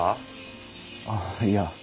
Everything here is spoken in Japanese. あっいや。